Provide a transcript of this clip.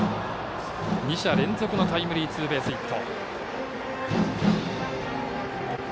２者連続のタイムリーツーベースヒット。